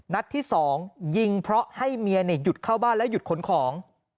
นัดที่๒ยิงเพราะให้เมียหยุดเข้าบ้านและหยุดขนของ